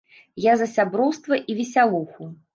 Я за сяброўства і весялуху.